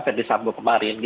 fede sambo kemarin